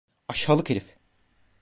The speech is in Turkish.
Aşağılık herif!